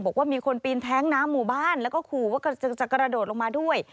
บอกว่ามีคนปีนแท้งน้ำหมู่บ้านแล้วก็ขู่ว่าจะกระโดดลงมาด้วย